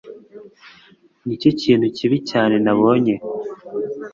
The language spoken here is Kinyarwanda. Nicyo kintu kibi cyane nabonye